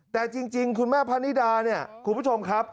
แต่จริงคุณแม่พะนิดาเนี่ยคุณผู้ชมครับ